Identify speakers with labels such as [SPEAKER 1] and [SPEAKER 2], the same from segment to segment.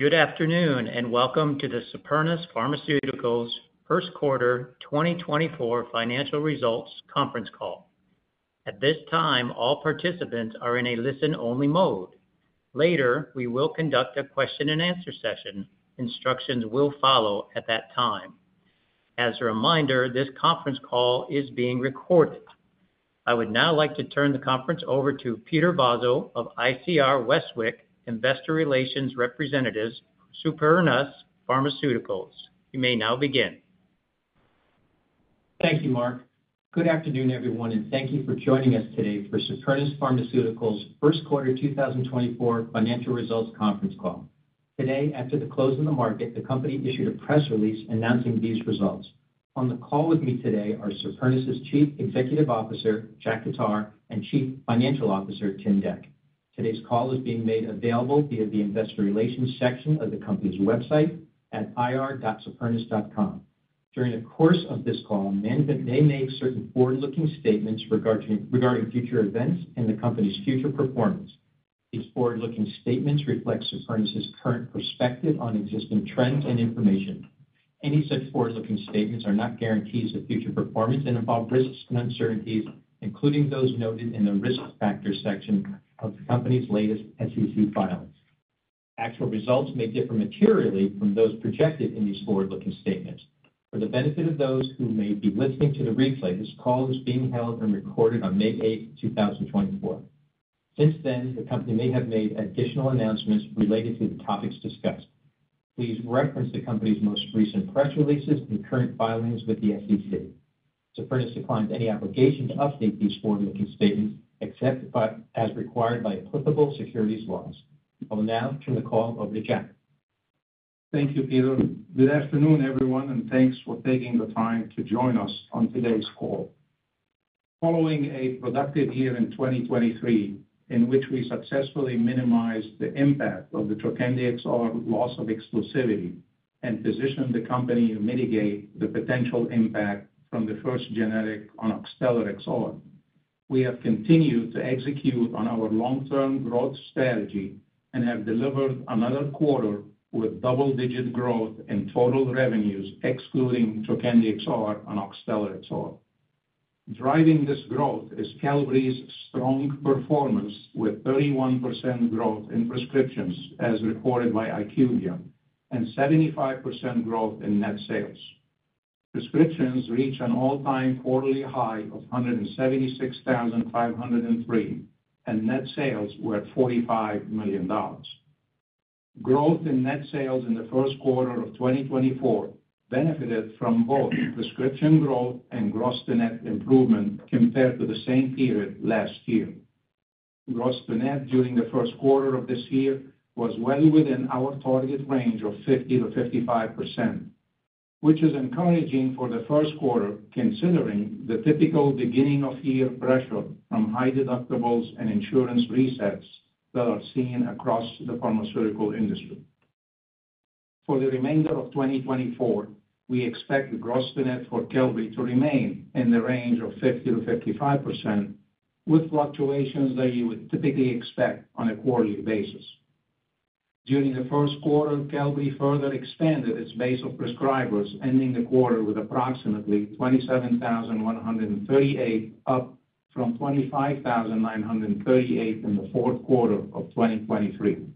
[SPEAKER 1] Good afternoon and welcome to the Supernus Pharmaceuticals first quarter 2024 financial results conference call. At this time, all participants are in a listen-only mode. Later, we will conduct a question-and-answer session. Instructions will follow at that time. As a reminder, this conference call is being recorded. I would now like to turn the conference over to Peter Vozzo of ICR Westwicke Investor Relations representatives for Supernus Pharmaceuticals. You may now begin.
[SPEAKER 2] Thank you, Mark. Good afternoon, everyone, and thank you for joining us today for Supernus Pharmaceuticals first quarter 2024 financial results conference call. Today, after the close of the market, the company issued a press release announcing these results. On the call with me today are Supernus's Chief Executive Officer Jack Khattar and Chief Financial Officer Tim Dec. Today's call is being made available via the Investor Relations section of the company's website at ir.supernus.com. During the course of this call, management may make certain forward-looking statements regarding future events and the company's future performance. These forward-looking statements reflect Supernus's current perspective on existing trends and information. Any such forward-looking statements are not guarantees of future performance and involve risks and uncertainties, including those noted in the risk factors section of the company's latest SEC filings. Actual results may differ materially from those projected in these forward-looking statements. For the benefit of those who may be listening to the replay, this call is being held and recorded on May 8, 2024. Since then, the company may have made additional announcements related to the topics discussed. Please reference the company's most recent press releases and current filings with the SEC. Supernus declines any obligation to update these forward-looking statements except as required by applicable securities laws. I will now turn the call over to Jack.
[SPEAKER 3] Thank you, Peter. Good afternoon, everyone, and thanks for taking the time to join us on today's call. Following a productive year in 2023 in which we successfully minimized the impact of the Trokendi XR loss of exclusivity and positioned the company to mitigate the potential impact from the first generic on Oxtellar XR, we have continued to execute on our long-term growth strategy and have delivered another quarter with double-digit growth in total revenues excluding Trokendi XR on Oxtellar XR. Driving this growth is Qelbree's strong performance with 31% growth in prescriptions, as reported by IQVIA, and 75% growth in net sales. Prescriptions reach an all-time quarterly high of 176,503, and net sales were $45 million. Growth in net sales in the first quarter of 2024 benefited from both prescription growth and gross-to-net improvement compared to the same period last year. Gross-to-net during the first quarter of this year was well within our target range of 50%-55%, which is encouraging for the first quarter considering the typical beginning-of-year pressure from high deductibles and insurance resets that are seen across the pharmaceutical industry. For the remainder of 2024, we expect the gross-to-net for Qelbree to remain in the range of 50%-55%, with fluctuations that you would typically expect on a quarterly basis. During the first quarter, Qelbree further expanded its base of prescribers, ending the quarter with approximately 27,138 up from 25,938 in the fourth quarter of 2023.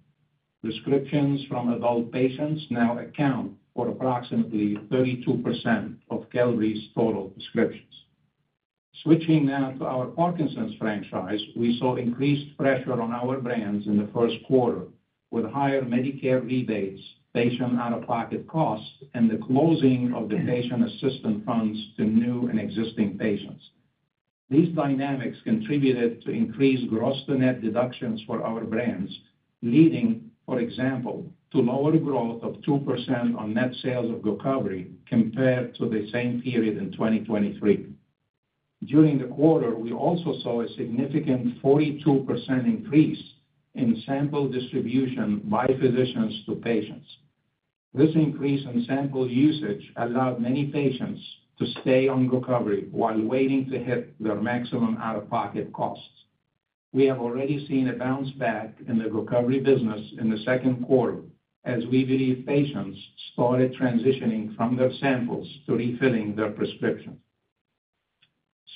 [SPEAKER 3] Prescriptions from adult patients now account for approximately 32% of Qelbree's total prescriptions. Switching now to our Parkinson’s franchise, we saw increased pressure on our brands in the first quarter with higher Medicare rebates, patient-out-of-pocket costs, and the closing of the patient assistance funds to new and existing patients. These dynamics contributed to increased gross-to-net deductions for our brands, leading, for example, to lower growth of 2% on net sales of Gocovri compared to the same period in 2023. During the quarter, we also saw a significant 42% increase in sample distribution by physicians to patients. This increase in sample usage allowed many patients to stay on Gocovri while waiting to hit their maximum out-of-pocket costs. We have already seen a bounce back in the Gocovri business in the second quarter, as we believe patients started transitioning from their samples to refilling their prescriptions.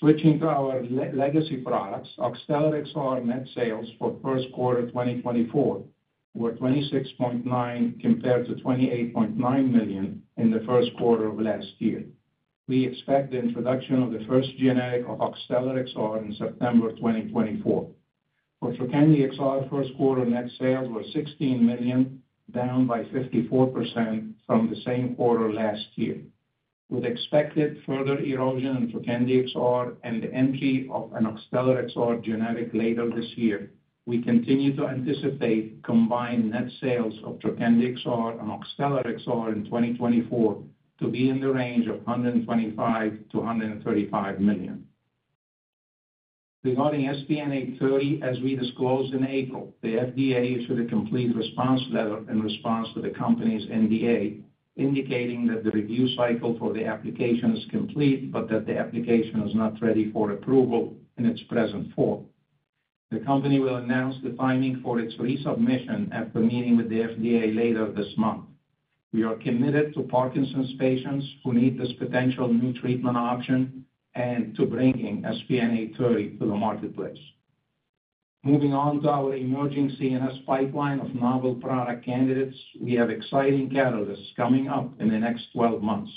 [SPEAKER 3] Switching to our legacy products, Oxtellar XR net sales for first quarter 2024 were $26.9 million compared to $28.9 million in the first quarter of last year. We expect the introduction of the first generic of Oxtellar XR in September 2024. For Trokendi XR, first quarter net sales were $16 million, down by 54% from the same quarter last year. With expected further erosion in Trokendi XR and the entry of an Oxtellar XR generic later this year, we continue to anticipate combined net sales of Trokendi XR and Oxtellar XR in 2024 to be in the range of $125 million-$135 million. Regarding SPN-830, as we disclosed in April, the FDA issued a Complete Response Letter in response to the company's NDA indicating that the review cycle for the application is complete but that the application is not ready for approval in its present form. The company will announce the timing for its resubmission after meeting with the FDA later this month. We are committed to Parkinson's patients who need this potential new treatment option and to bringing SPN-830 to the marketplace. Moving on to our emerging CNS pipeline of novel product candidates, we have exciting catalysts coming up in the next 12 months.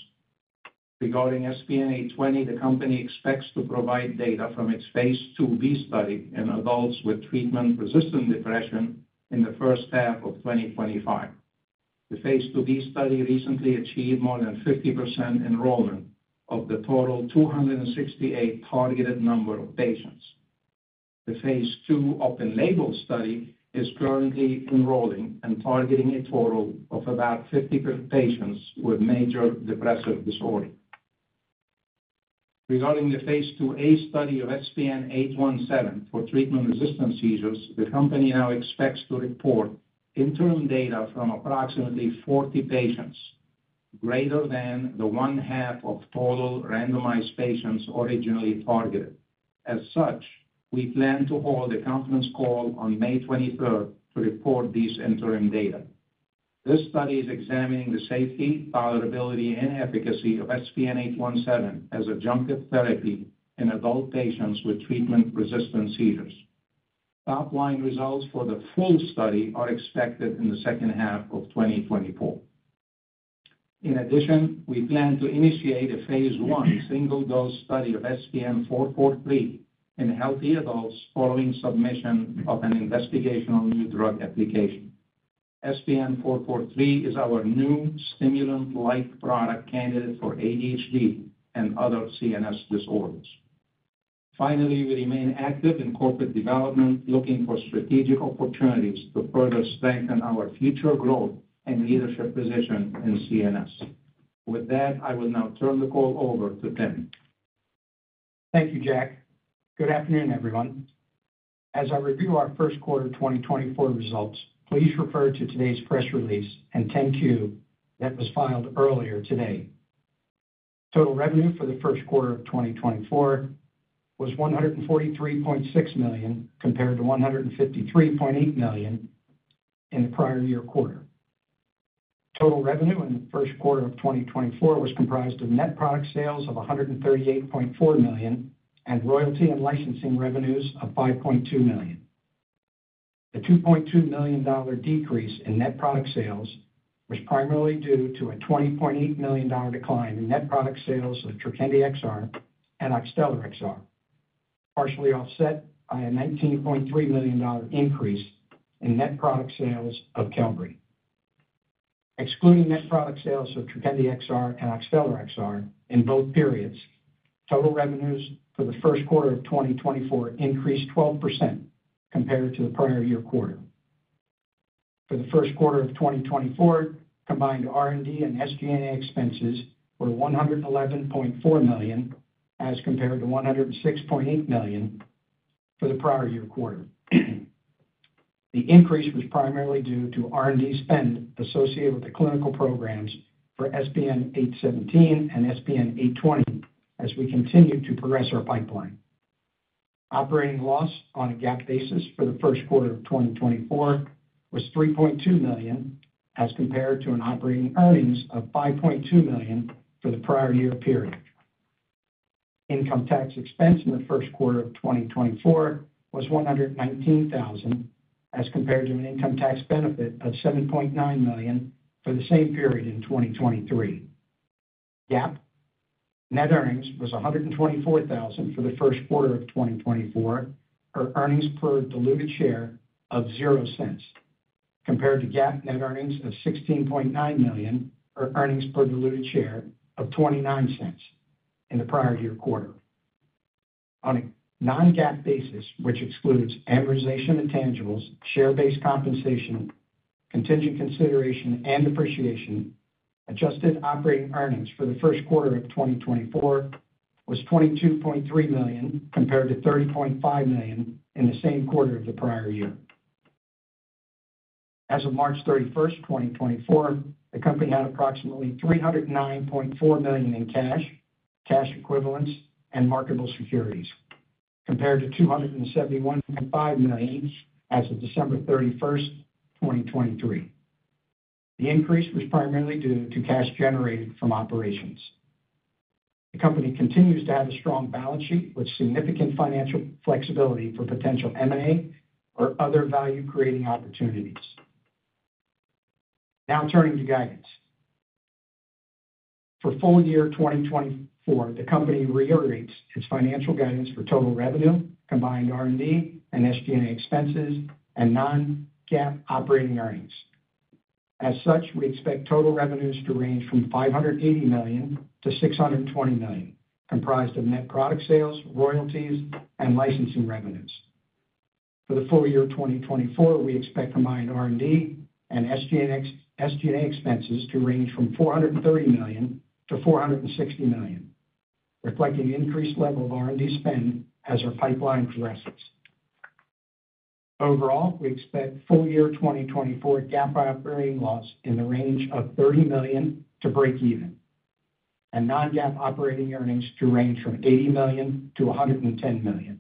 [SPEAKER 3] Regarding SPN-820, the company expects to provide data from its phase 2B study in adults with treatment-resistant depression in the first half of 2025. The phase 2B study recently achieved more than 50% enrollment of the total 268 targeted number of patients. The phase 2 open-label study is currently enrolling and targeting a total of about 50 patients with major depressive disorder. Regarding the phase 2A study of SPN-817 for treatment-resistant seizures, the company now expects to report interim data from approximately 40 patients, greater than the one-half of total randomized patients originally targeted. As such, we plan to hold a conference call on May 23rd to report these interim data. This study is examining the safety, tolerability, and efficacy of SPN-817 as an adjunctive therapy in adult patients with treatment-resistant seizures. Top-line results for the full study are expected in the second half of 2024. In addition, we plan to initiate a phase 1 single-dose study of SPN-443 in healthy adults following submission of an investigational new drug application. SPN-443 is our new stimulant-like product candidate for ADHD and other CNS disorders. Finally, we remain active in corporate development, looking for strategic opportunities to further strengthen our future growth and leadership position in CNS. With that, I will now turn the call over to Tim.
[SPEAKER 4] Thank you, Jack. Good afternoon, everyone. As I review our first quarter 2024 results, please refer to today's press release and 10Q that was filed earlier today. Total revenue for the first quarter of 2024 was $143.6 million compared to $153.8 million in the prior year quarter. Total revenue in the first quarter of 2024 was comprised of net product sales of $138.4 million and royalty and licensing revenues of $5.2 million. The $2.2 million decrease in net product sales was primarily due to a $20.8 million decline in net product sales of Trokendi XR and Oxtellar XR, partially offset by a $19.3 million increase in net product sales of Qelbree. Excluding net product sales of Trokendi XR and Oxtellar XR in both periods, total revenues for the first quarter of 2024 increased 12% compared to the prior year quarter. For the first quarter of 2024, combined R&D and SG&A expenses were $111.4 million as compared to $106.8 million for the prior year quarter. The increase was primarily due to R&D spend associated with the clinical programs for SPN-817 and SPN-820 as we continue to progress our pipeline. Operating loss on a GAAP basis for the first quarter of 2024 was $3.2 million as compared to an operating earnings of $5.2 million for the prior year period. Income tax expense in the first quarter of 2024 was $119,000 as compared to an income tax benefit of $7.9 million for the same period in 2023. GAAP net earnings was $124,000 for the first quarter of 2024, or earnings per diluted share of $0.00, compared to GAAP net earnings of $16.9 million, or earnings per diluted share of $0.29 in the prior year quarter. On a non-GAAP basis, which excludes amortization of intangibles, share-based compensation, contingent consideration, and depreciation, adjusted operating earnings for the first quarter of 2024 was $22.3 million compared to $30.5 million in the same quarter of the prior year. As of March 31st, 2024, the company had approximately $309.4 million in cash, cash equivalents, and marketable securities compared to $271.5 million as of December 31st, 2023. The increase was primarily due to cash generated from operations. The company continues to have a strong balance sheet with significant financial flexibility for potential M&A or other value-creating opportunities. Now turning to guidance. For full year 2024, the company reiterates its financial guidance for total revenue, combined R&D and SG&A expenses, and non-GAAP operating earnings. As such, we expect total revenues to range from $580 million-$620 million, comprised of net product sales, royalties, and licensing revenues. For the full year 2024, we expect combined R&D and SG&A expenses to range from $430 million-$460 million, reflecting an increased level of R&D spend as our pipeline progresses. Overall, we expect full year 2024 GAAP operating loss in the range of $30 million to break even, and non-GAAP operating earnings to range from $80 million-$110 million.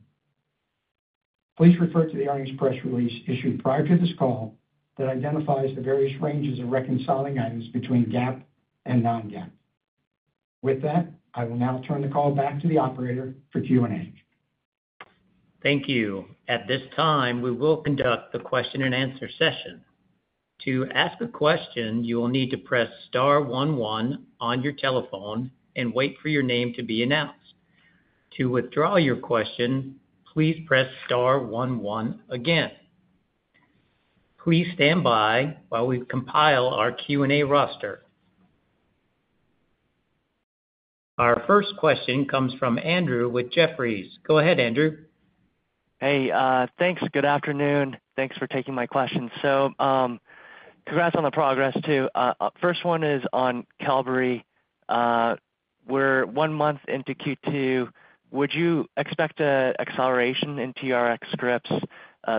[SPEAKER 4] Please refer to the earnings press release issued prior to this call that identifies the various ranges of reconciling items between GAAP and non-GAAP. With that, I will now turn the call back to the operator for Q&A.
[SPEAKER 1] Thank you. At this time, we will conduct the question-and-answer session. To ask a question, you will need to press star 11 on your telephone and wait for your name to be announced. To withdraw your question, please press star 11 again. Please stand by while we compile our Q&A roster. Our first question comes from Andrew with Jefferies. Go ahead, Andrew.
[SPEAKER 5] Hey. Thanks. Good afternoon. Thanks for taking my question. So congrats on the progress, too. First one is on Qelbree. We're one month into Q2. Would you expect an acceleration in TRX scripts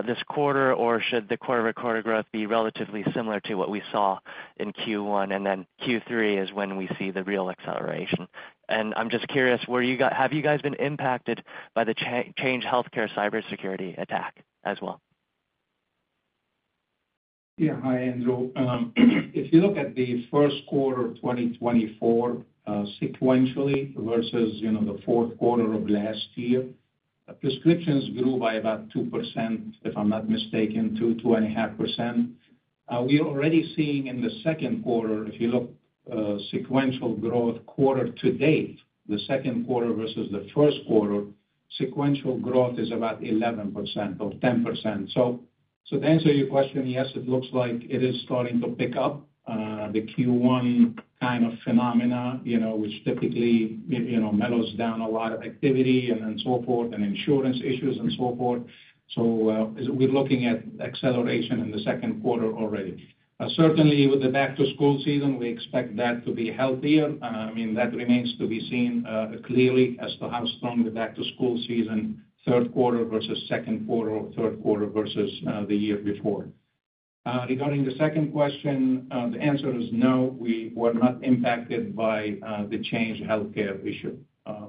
[SPEAKER 5] this quarter, or should the quarter-by-quarter growth be relatively similar to what we saw in Q1, and then Q3 is when we see the real acceleration? And I'm just curious, have you guys been impacted by the Change Healthcare cybersecurity attack as well?
[SPEAKER 3] Yeah. Hi, Andrew. If you look at the first quarter of 2024 sequentially versus the fourth quarter of last year, prescriptions grew by about 2%, if I'm not mistaken, 2-2.5%. We are already seeing in the second quarter, if you look sequential growth quarter to date, the second quarter versus the first quarter, sequential growth is about 11% or 10%. So to answer your question, yes, it looks like it is starting to pick up, the Q1 kind of phenomena, which typically mellows down a lot of activity and so forth, and insurance issues and so forth. So we're looking at acceleration in the second quarter already. Certainly, with the back-to-school season, we expect that to be healthier. I mean, that remains to be seen clearly as to how strong the back-to-school season, third quarter versus second quarter, or third quarter versus the year before. Regarding the second question, the answer is no. We were not impacted by the Change Healthcare issue.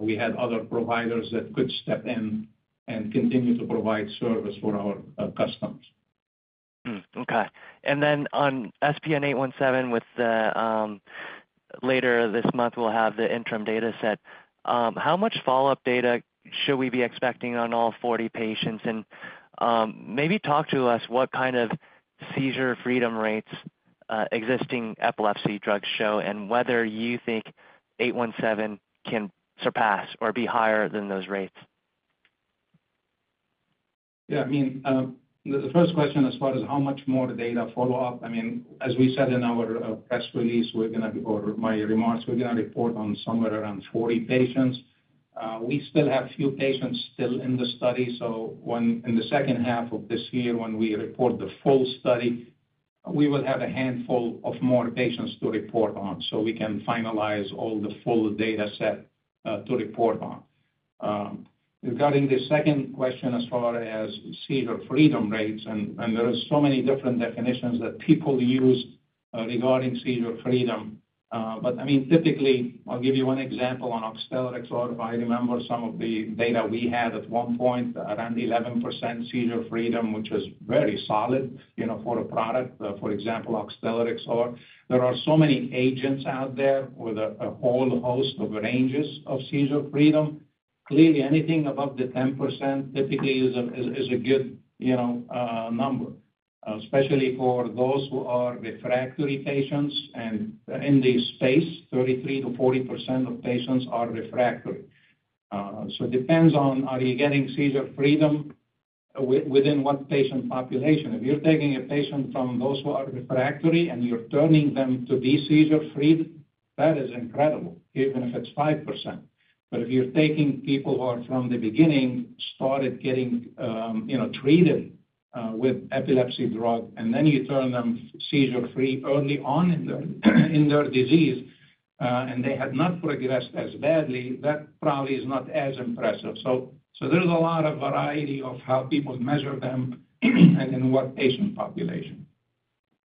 [SPEAKER 3] We had other providers that could step in and continue to provide service for our customers.
[SPEAKER 6] Okay. And then on SPN-817, later this month, we'll have the interim dataset. How much follow-up data should we be expecting on all 40 patients? And maybe talk to us what kind of seizure freedom rates existing epilepsy drugs show and whether you think SPN-817 can surpass or be higher than those rates.
[SPEAKER 3] Yeah. I mean, the first question as far as how much more data follow-up I mean, as we said in our press release, we're going to or my remarks, we're going to report on somewhere around 40 patients. We still have few patients still in the study. So in the second half of this year, when we report the full study, we will have a handful of more patients to report on so we can finalize all the full dataset to report on. Regarding the second question as far as seizure freedom rates, and there are so many different definitions that people use regarding seizure freedom. But I mean, typically, I'll give you one example on Oxtellar XR. If I remember some of the data we had at one point around 11% seizure freedom, which is very solid for a product, for example, Oxtellar XR. There are so many agents out there with a whole host of ranges of seizure freedom. Clearly, anything above the 10% typically is a good number, especially for those who are refractory patients. In this space, 33%-40% of patients are refractory. It depends on are you getting seizure freedom within what patient population? If you're taking a patient from those who are refractory and you're turning them to be seizure-free, that is incredible, even if it's 5%. But if you're taking people who are from the beginning started getting treated with epilepsy drug, and then you turn them seizure-free early on in their disease, and they had not progressed as badly, that probably is not as impressive. There's a lot of variety of how people measure them and in what patient population.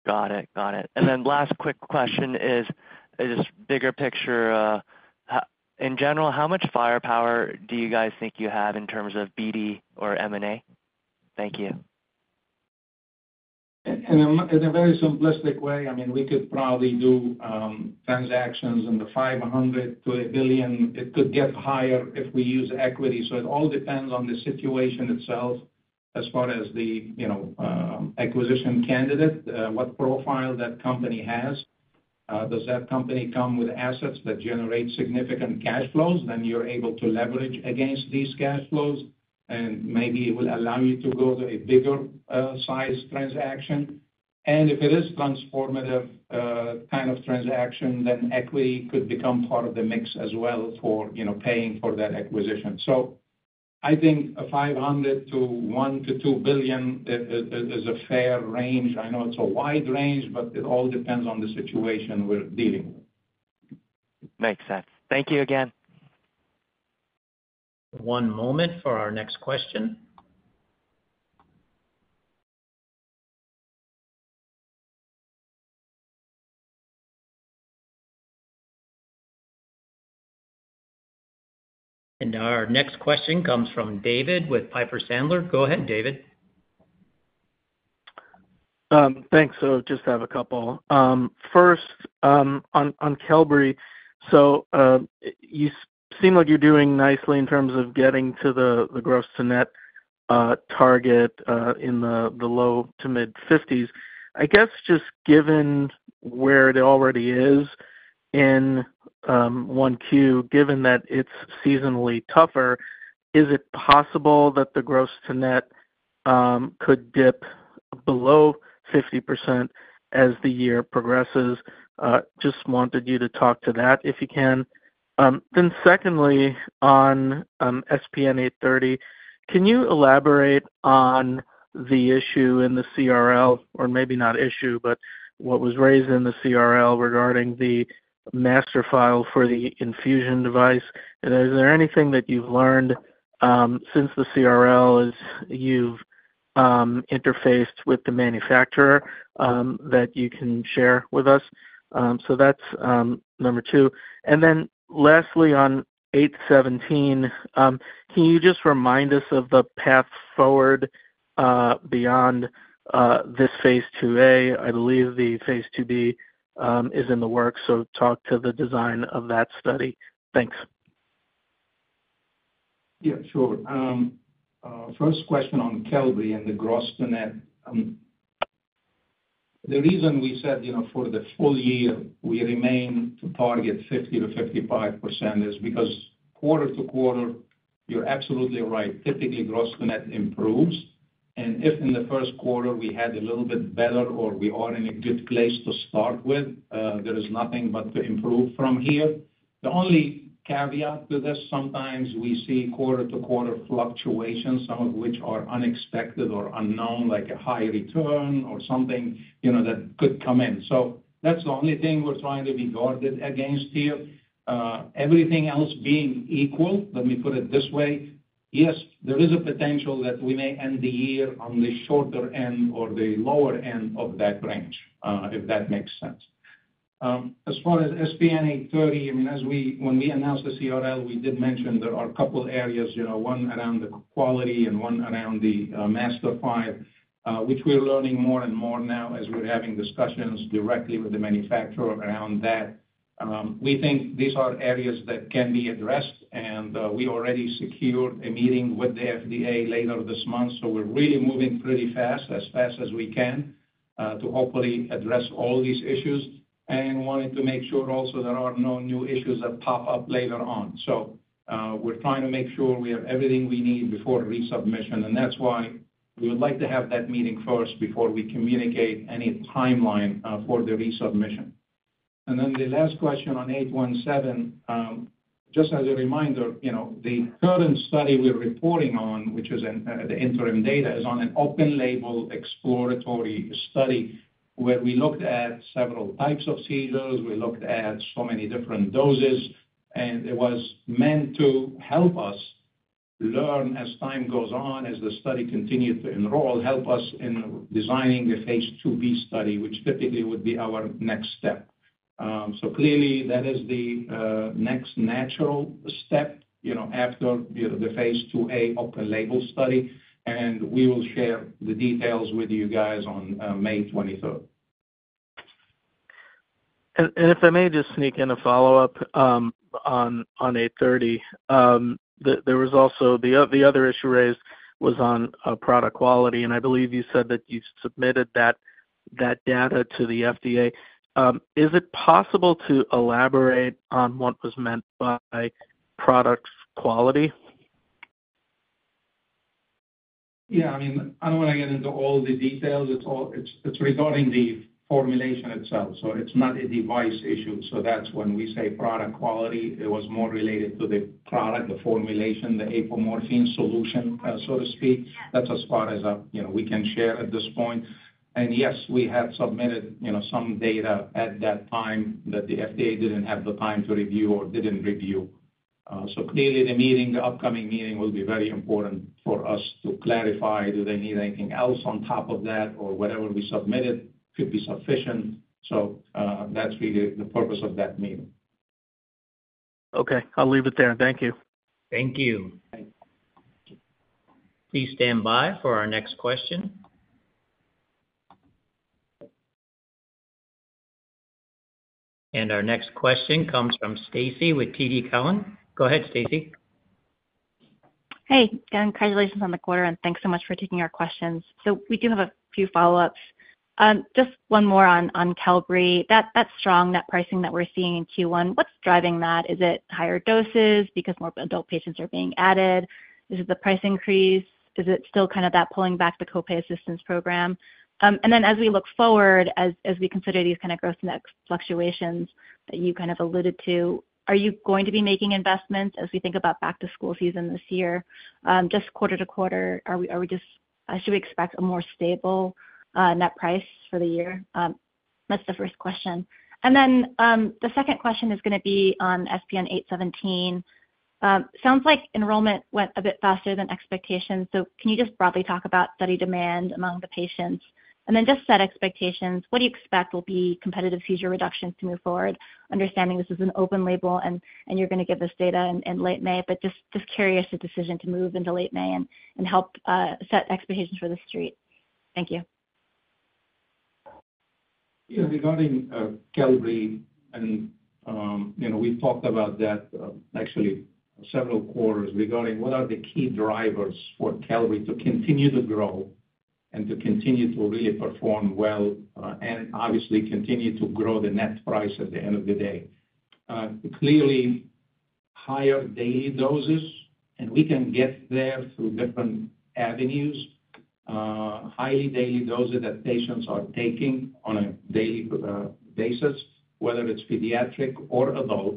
[SPEAKER 5] Got it. Got it. And then last quick question is just bigger picture. In general, how much firepower do you guys think you have in terms of BD or M&A? Thank you.
[SPEAKER 3] In a very simplistic way, I mean, we could probably do transactions in the $500 million to $1 billion. It could get higher if we use equity. So it all depends on the situation itself as far as the acquisition candidate, what profile that company has. Does that company come with assets that generate significant cash flows? Then you're able to leverage against these cash flows, and maybe it will allow you to go to a bigger-sized transaction. And if it is transformative kind of transaction, then equity could become part of the mix as well for paying for that acquisition. So I think $500 million to $1-$2 billion is a fair range. I know it's a wide range, but it all depends on the situation we're dealing with.
[SPEAKER 5] Makes sense. Thank you again.
[SPEAKER 1] One moment for our next question. Our next question comes from David with Piper Sandler. Go ahead, David.
[SPEAKER 5] Thanks. So just have a couple. First, on Qelbree, so you seem like you're doing nicely in terms of getting to the gross-to-net target in the low to mid-50s%. I guess just given where it already is in 1Q, given that it's seasonally tougher, is it possible that the gross-to-net could dip below 50% as the year progresses? Just wanted you to talk to that if you can. Then secondly, on SPN-830, can you elaborate on the issue in the CRL, or maybe not issue, but what was raised in the CRL regarding the master file for the infusion device? And is there anything that you've learned since the CRL you've interfaced with the manufacturer that you can share with us? So that's number two. And then lastly, on SPN-817, can you just remind us of the path forward beyond this phase 2A? I believe the Phase 2B is in the works, so talk about the design of that study. Thanks.
[SPEAKER 3] Yeah. Sure. First question on Qelbree and the gross-to-net. The reason we said for the full year, we remain to target 50%-55% is because quarter to quarter, you're absolutely right, typically gross-to-net improves. And if in the first quarter we had a little bit better or we are in a good place to start with, there is nothing but to improve from here. The only caveat to this, sometimes we see quarter to quarter fluctuations, some of which are unexpected or unknown, like a high return or something that could come in. So that's the only thing we're trying to be guarded against here. Everything else being equal, let me put it this way, yes, there is a potential that we may end the year on the shorter end or the lower end of that range, if that makes sense. As far as SPN-830, I mean, when we announced the CRL, we did mention there are a couple of areas, one around the quality and one around the master file, which we're learning more and more now as we're having discussions directly with the manufacturer around that. We think these are areas that can be addressed, and we already secured a meeting with the FDA later this month. So we're really moving pretty fast, as fast as we can, to hopefully address all these issues and wanted to make sure also there are no new issues that pop up later on. So we're trying to make sure we have everything we need before resubmission. And that's why we would like to have that meeting first before we communicate any timeline for the resubmission. And then the last question on 817, just as a reminder, the current study we're reporting on, which is the interim data, is on an open-label exploratory study where we looked at several types of seizures. We looked at so many different doses. And it was meant to help us learn as time goes on, as the study continued to enroll, help us in designing the phase 2B study, which typically would be our next step. So clearly, that is the next natural step after the phase 2A open-label study. And we will share the details with you guys on May 23rd.
[SPEAKER 5] If I may just sneak in a follow-up on 830, the other issue raised was on product quality. I believe you said that you submitted that data to the FDA. Is it possible to elaborate on what was meant by product quality?
[SPEAKER 3] Yeah. I mean, I don't want to get into all the details. It's regarding the formulation itself. So it's not a device issue. So that's when we say Product Quality. It was more related to the product, the formulation, the Apomorphine solution, so to speak. That's as far as we can share at this point. And yes, we had submitted some data at that time that the FDA didn't have the time to review or didn't review. So clearly, the upcoming meeting will be very important for us to clarify, do they need anything else on top of that, or whatever we submitted could be sufficient. So that's really the purpose of that meeting.
[SPEAKER 5] Okay. I'll leave it there. Thank you.
[SPEAKER 1] Thank you. Please stand by for our next question. Our next question comes from Stacy with TD Cowen. Go ahead, Stacy.
[SPEAKER 5] Hey. Congratulations on the quarter, and thanks so much for taking our questions. We do have a few follow-ups. Just one more on Qelbree. That strong net pricing that we're seeing in Q1, what's driving that? Is it higher doses because more adult patients are being added? Is it the price increase? Is it still kind of that pulling back the copay assistance program? And then as we look forward, as we consider these kind of gross-to-net fluctuations that you kind of alluded to, are you going to be making investments as we think about back-to-school season this year? Just quarter to quarter, should we expect a more stable net price for the year? That's the first question. And then the second question is going to be on SPN-817. Sounds like enrollment went a bit faster than expectations. So, can you just broadly talk about study demand among the patients? And then just set expectations. What do you expect will be competitive seizure reductions to move forward, understanding this is an open label and you're going to give this data in late May? But just curious the decision to move into late May and help set expectations for the street. Thank you.
[SPEAKER 3] Yeah. Regarding Qelbree, and we've talked about that actually several quarters regarding what are the key drivers for Qelbree to continue to grow and to continue to really perform well and obviously continue to grow the net price at the end of the day. Clearly, higher daily doses, and we can get there through different avenues, higher daily doses that patients are taking on a daily basis, whether it's pediatric or adult.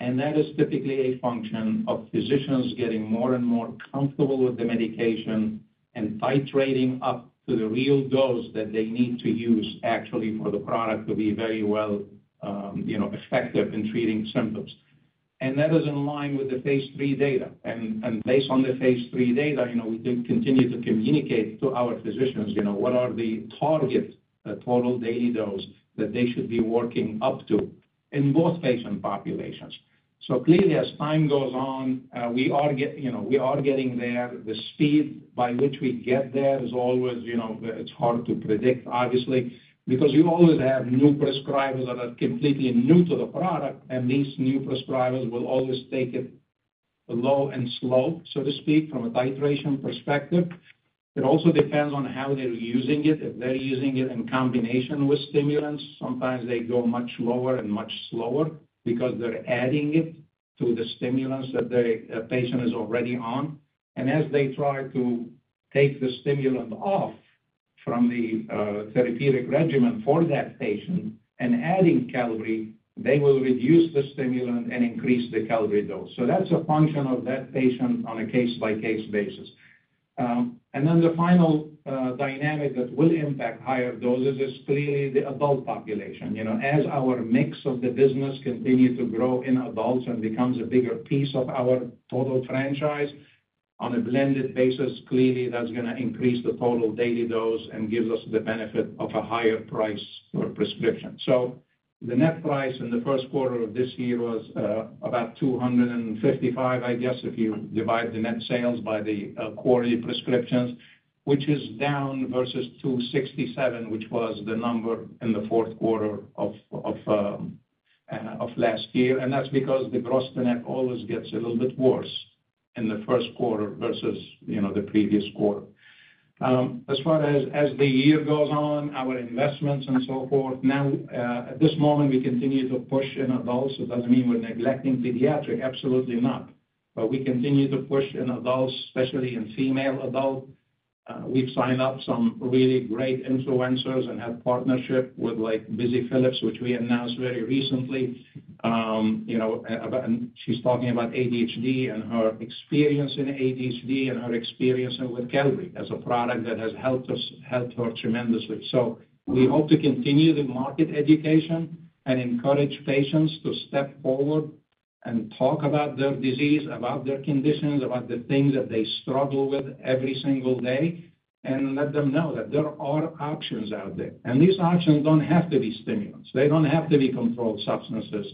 [SPEAKER 3] And that is typically a function of physicians getting more and more comfortable with the medication and titrating up to the real dose that they need to use actually for the product to be very well effective in treating symptoms. And that is in line with the phase 3 data. And based on the phase 3 data, we continue to communicate to our physicians, what are the target total daily dose that they should be working up to in both patient populations. So clearly, as time goes on, we are getting there. The speed by which we get there is always it's hard to predict, obviously, because you always have new prescribers that are completely new to the product. And these new prescribers will always take it low and slow, so to speak, from a titration perspective. It also depends on how they're using it. If they're using it in combination with stimulants, sometimes they go much lower and much slower because they're adding it to the stimulants that the patient is already on. And as they try to take the stimulant off from the therapeutic regimen for that patient and adding Qelbree, they will reduce the stimulant and increase the Qelbree dose. So that's a function of that patient on a case-by-case basis. And then the final dynamic that will impact higher doses is clearly the adult population. As our mix of the business continues to grow in adults and becomes a bigger piece of our total franchise on a blended basis, clearly, that's going to increase the total daily dose and gives us the benefit of a higher price for prescriptions. So the net price in the first quarter of this year was about $255, I guess, if you divide the net sales by the quantity prescriptions, which is down versus $267, which was the number in the fourth quarter of last year. And that's because the gross-to-net always gets a little bit worse in the first quarter versus the previous quarter. As far as the year goes on, our investments and so forth, now at this moment, we continue to push in adults. It doesn't mean we're neglecting pediatric. Absolutely not. But we continue to push in adults, especially in female adults. We've signed up some really great influencers and had partnership with Busy Philipps, which we announced very recently. And she's talking about ADHD and her experience in ADHD and her experience with Qelbree as a product that has helped her tremendously. So we hope to continue the market education and encourage patients to step forward and talk about their disease, about their conditions, about the things that they struggle with every single day, and let them know that there are options out there. These options don't have to be stimulants. They don't have to be controlled substances.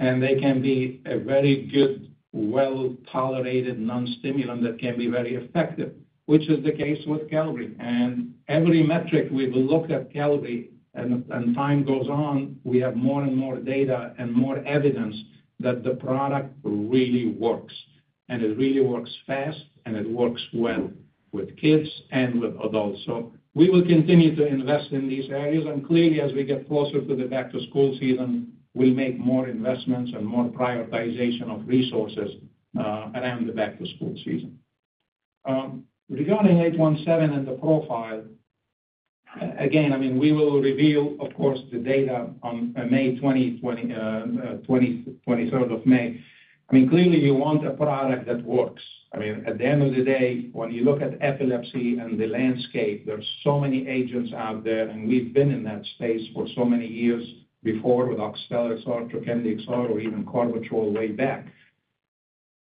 [SPEAKER 3] They can be a very good, well-tolerated non-stimulant that can be very effective, which is the case with Qelbree. Every metric we've looked at Qelbree, and time goes on, we have more and more data and more evidence that the product really works. It really works fast, and it works well with kids and with adults. We will continue to invest in these areas. Clearly, as we get closer to the back-to-school season, we'll make more investments and more prioritization of resources around the back-to-school season. Regarding 817 and the profile, again, I mean, we will reveal, of course, the data on May 23rd of May. I mean, clearly, you want a product that works. I mean, at the end of the day, when you look at epilepsy and the landscape, there's so many agents out there. And we've been in that space for so many years before with Oxtellar XR, Trokendi XR, or even Carbatrol way back.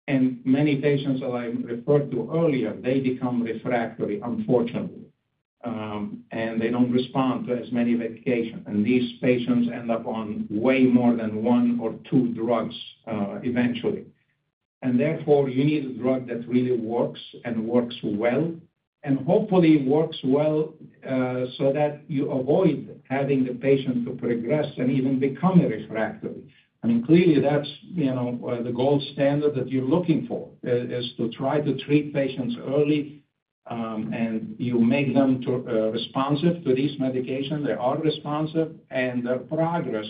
[SPEAKER 3] And many patients that I referred to earlier, they become refractory, unfortunately, and they don't respond to as many medications. And these patients end up on way more than one or two drugs eventually. And therefore, you need a drug that really works and works well and hopefully works well so that you avoid having the patient to progress and even become a refractory. I mean, clearly, that's the gold standard that you're looking for, is to try to treat patients early, and you make them responsive to these medications. They are responsive. And their progress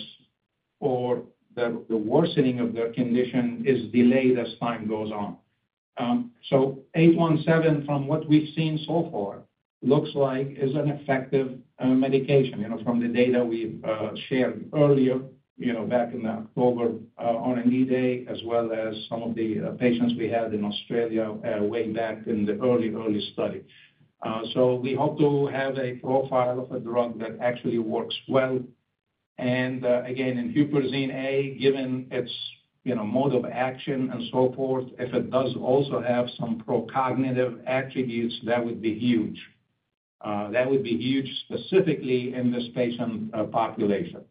[SPEAKER 3] or the worsening of their condition is delayed as time goes on. So 817, from what we've seen so far, looks like is an effective medication from the data we shared earlier back in October on an 8-Day, as well as some of the patients we had in Australia way back in the early, early study. So we hope to have a profile of a drug that actually works well. And again, in huperzine A, given its mode of action and so forth, if it does also have some procognitive attributes, that would be huge. That would be huge, specifically in this patient population.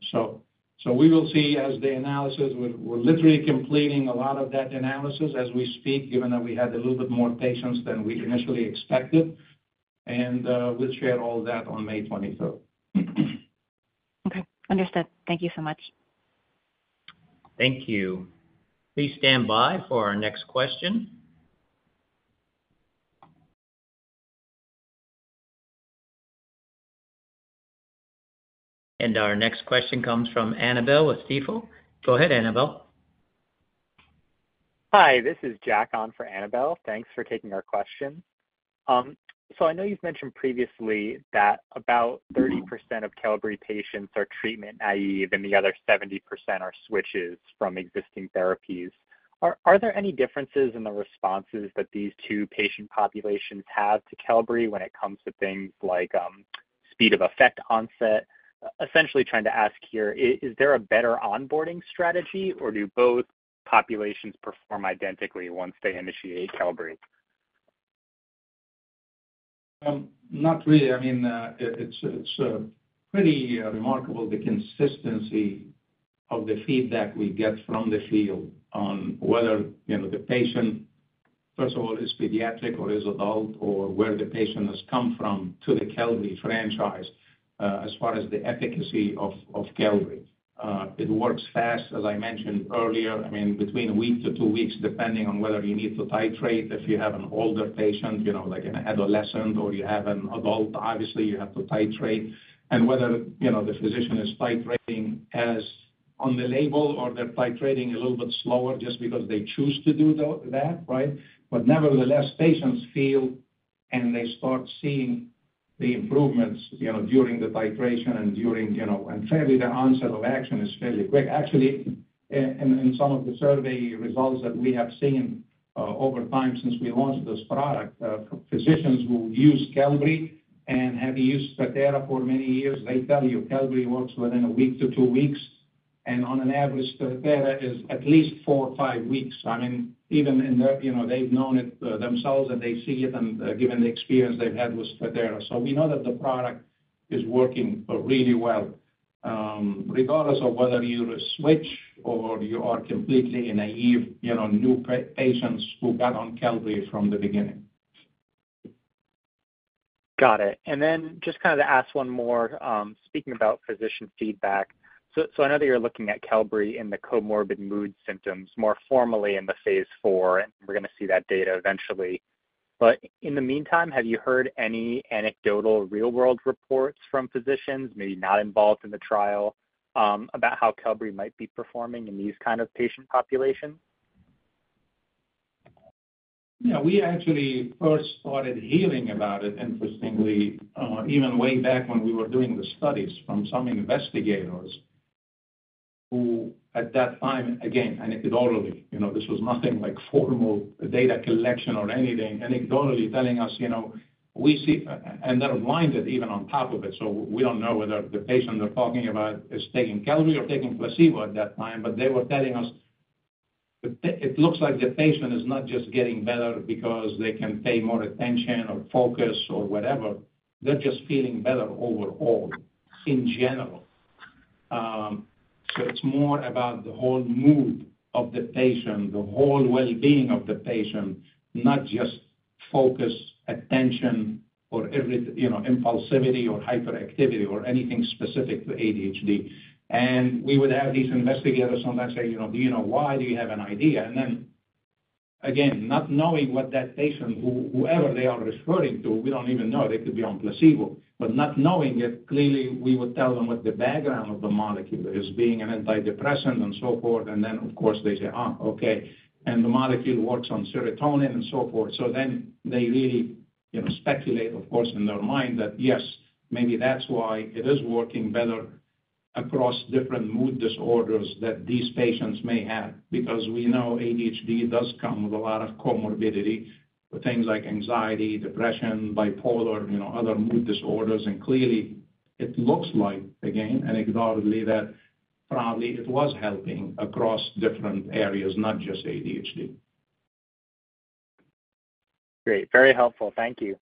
[SPEAKER 3] So we will see as the analysis we're literally completing a lot of that analysis as we speak, given that we had a little bit more patients than we initially expected. And we'll share all that on May 23rd.
[SPEAKER 5] Okay. Understood. Thank you so much.
[SPEAKER 1] Thank you. Please stand by for our next question. Our next question comes from Annabel with Stifel. Go ahead, Annabel.
[SPEAKER 7] Hi. This is Jack on for Annabel. Thanks for taking our question. So I know you've mentioned previously that about 30% of Qelbree patients are treatment naïve, and the other 70% are switches from existing therapies. Are there any differences in the responses that these two patient populations have to Qelbree when it comes to things like speed of effect onset? Essentially, trying to ask here, is there a better onboarding strategy, or do both populations perform identically once they initiate Qelbree?
[SPEAKER 3] Not really. I mean, it's pretty remarkable, the consistency of the feedback we get from the field on whether the patient, first of all, is pediatric or is adult or where the patient has come from to the Qelbree franchise as far as the efficacy of Qelbree. It works fast, as I mentioned earlier. I mean, between a week to 2 weeks, depending on whether you need to titrate. If you have an older patient, like an adolescent, or you have an adult, obviously, you have to titrate. And whether the physician is titrating as on the label or they're titrating a little bit slower just because they choose to do that, right? But nevertheless, patients feel and they start seeing the improvements during the titration and fairly, the onset of action is fairly quick. Actually, in some of the survey results that we have seen over time since we launched this product, physicians who use Qelbree and have used Strattera for many years, they tell you Qelbree works within a week to two weeks. And on an average, Strattera is at least four, five weeks. I mean, even in their they've known it themselves, and they see it given the experience they've had with Strattera. So we know that the product is working really well, regardless of whether you switch or you are completely naïve, new patients who got on Qelbree from the beginning.
[SPEAKER 7] Got it. And then just kind of to ask one more, speaking about physician feedback, so I know that you're looking at Qelbree in the comorbid mood symptoms, more formally in the phase 4, and we're going to see that data eventually. But in the meantime, have you heard any anecdotal real-world reports from physicians, maybe not involved in the trial, about how Qelbree might be performing in these kind of patient populations?
[SPEAKER 3] Yeah. We actually first started hearing about it, interestingly, even way back when we were doing the studies from some investigators who, at that time, again, anecdotally, this was nothing like formal data collection or anything, anecdotally telling us, "We see" and they're blinded even on top of it. So we don't know whether the patient they're talking about is taking Qelbree or taking placebo at that time. But they were telling us it looks like the patient is not just getting better because they can pay more attention or focus or whatever. They're just feeling better overall, in general. So it's more about the whole mood of the patient, the whole well-being of the patient, not just focus, attention, or impulsivity or hyperactivity or anything specific to ADHD. And we would have these investigators sometimes say, "Do you know why? Do you have an idea?" And then again, not knowing what that patient, whoever they are referring to, we don't even know. They could be on placebo. But not knowing it, clearly, we would tell them what the background of the molecule is, being an antidepressant and so forth. And then, of course, they say, "Oh, okay. And the molecule works on serotonin and so forth." So then they really speculate, of course, in their mind that, yes, maybe that's why it is working better across different mood disorders that these patients may have because we know ADHD does come with a lot of comorbidity, things like anxiety, depression, bipolar, other mood disorders. And clearly, it looks like, again, anecdotally, that probably it was helping across different areas, not just ADHD.
[SPEAKER 5] Great. Very helpful. Thank you.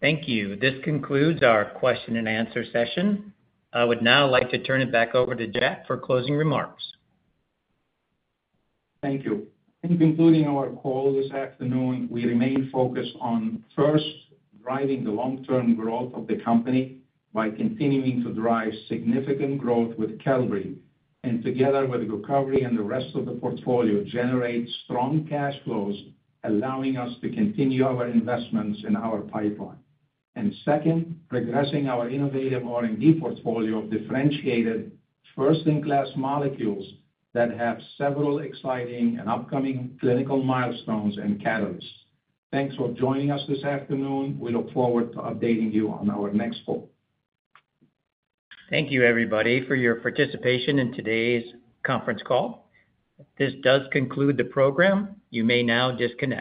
[SPEAKER 1] Thank you. This concludes our question-and-answer session. I would now like to turn it back over to Jack for closing remarks.
[SPEAKER 3] Thank you. In concluding our call this afternoon, we remain focused on, first, driving the long-term growth of the company by continuing to drive significant growth with Qelbree and together with Gocovri and the rest of the portfolio, generate strong cash flows, allowing us to continue our investments in our pipeline. Second, progressing our innovative R&D portfolio of differentiated, first-in-class molecules that have several exciting and upcoming clinical milestones and catalysts. Thanks for joining us this afternoon. We look forward to updating you on our next call.
[SPEAKER 1] Thank you, everybody, for your participation in today's conference call. This does conclude the program. You may now disconnect.